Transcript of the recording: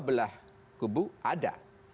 belah kubu ada